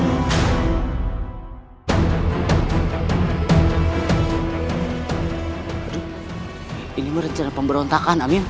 aduh ini merencan pemberontakan amin